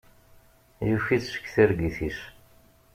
Yuki-d seg targit-is.